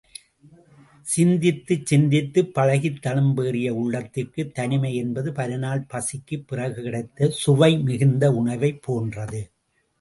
சிந்தித்துச் சிந்தித்துப் பழகித் தழும்பேறிய உள்ளத்திற்குத் தனிமை என்பது பலநாள் பசிக்குப் பிறகு கிடைத்த சுவைமிகுந்த உணவைப் போன்றது.